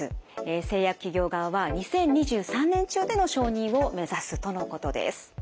製薬企業側は２０２３年中での承認を目指すとのことです。